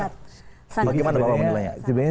bagaimana pak om menilainya